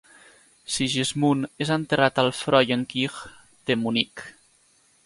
Sigismund és enterrat al "Frauenkirche" de Munic.